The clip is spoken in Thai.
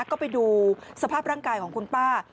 ก็ไปดูสภาพร่างกายของคุณป้า